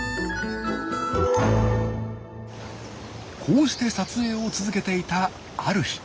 こうして撮影を続けていたある日。